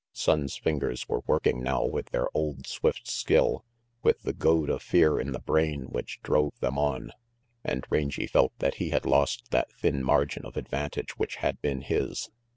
Sonnes' fingers were working now with their old swift skill, with the goad of fear in the brain which drove them on. And Rangy felt that he had lost that thin margin of advantage which had been his.